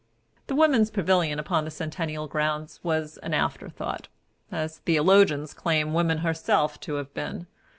The Woman's Pavilion upon the centennial grounds was an afterthought, as theologians claim woman herself to have been.